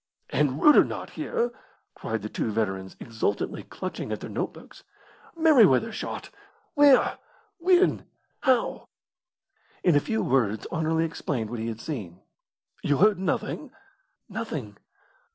"And Reuter not here!" cried the two veterans, exultantly clutching at their notebooks. "Merryweather shot! Where? When? How?" In a few words Anerley explained what he had seen. "You heard nothing?" "Nothing."